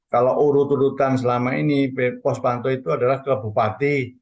kalau urut urutan selama ini pos pantau itu adalah ke bupati